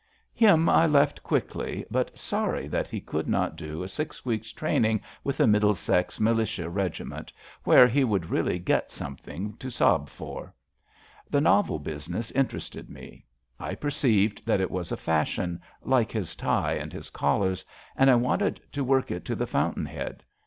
Him I left quickly, but sorry that he could not THE THEEE YOUNG MEN 259 do a six weeks' training with a Middlesex militia regiment, where he would really get something to sob for. The novel business interested me. I perceived that it was a fashion, like his tie and his collars, and I wanted to work it to the fountain head.